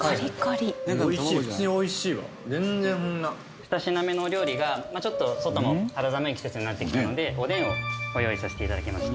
２品目のお料理がちょっと外も肌寒い季節になってきたのでおでんをご用意させて頂きました。